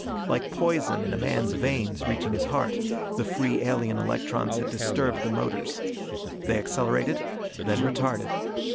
Like poison in a man's veins, reaching his heart, the free alien electrons had disturbed the motors. They accelerated, then retarded.